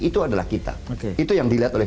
itu adalah kita itu yang dilihat oleh